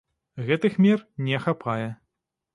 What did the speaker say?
Гэтых мер не хапае.